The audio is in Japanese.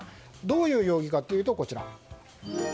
どういう容疑かというとこちら。